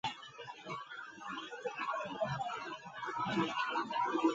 Mwangaza wa taa za mjini ulimpofusha alipokuwa akipiga misamba kuelekea yalipokuwa magari